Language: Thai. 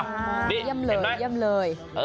นี่เห็นไหมย่ำเลยย่ำเลย